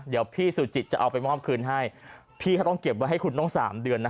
เดี๋ยวพี่สุจิตจะเอาไปมอบคืนให้พี่เขาต้องเก็บไว้ให้คุณต้อง๓เดือน